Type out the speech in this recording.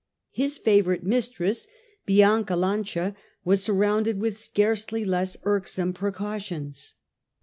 His favourite mistress, Bianca Lancia, was surrounded with scarcely less irksome precautions.